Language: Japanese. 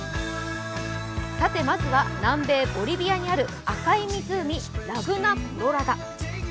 まずは南米ボリビアにある赤い湖、ラグナ・コロラダ。